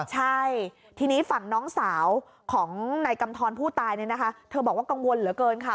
ใช่ทีนี้ฝั่งน้องสาวของนายกำทรผู้ตายเนี่ยนะคะเธอบอกว่ากังวลเหลือเกินค่ะ